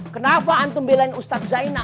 kenapa antum bilen ustadz zainal